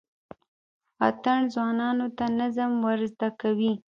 اتڼ ځوانانو ته نظم ور زده کوي.